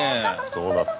どうなった？